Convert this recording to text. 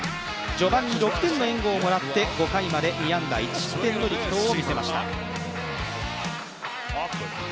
序盤に６点の援護をもらって、５回まで、２安打１失点の力投を見せました。